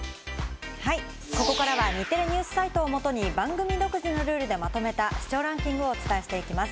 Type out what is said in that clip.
はい、ここからは日テレＮＥＷＳサイトを基に番組独自のルールでまとめた視聴ランキングをお伝えしていきます。